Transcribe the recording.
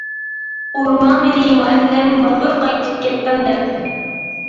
ئۇرماڭ مېنى مۇئەللىم، بالدۇر قايتىپ كەتتىڭ دەپ.